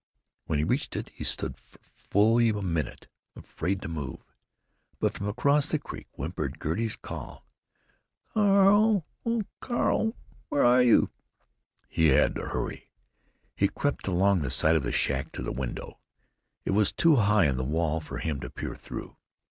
When he reached it he stood for fully a minute, afraid to move. But from across the creek whimpered Gertie's call: "Carl, oh, Carl, where are you?" He had to hurry. He crept along the side of the shack to the window. It was too high in the wall for him to peer through.